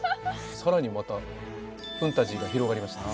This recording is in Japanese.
更にまた墳タジーが広がりました。